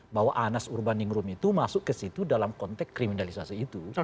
bahwa anas urbaningrum itu masuk ke situ dalam konteks kriminalisasi itu